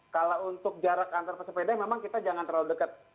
kalau untuk jarak antar pesepeda memang kita jangan terlalu dekat